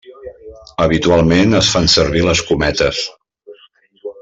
Habitualment es fan servir les cometes.